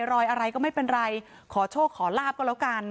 รอยอะไรก็ไม่เป็นไรขอโชคขอลาบก็แล้วกัน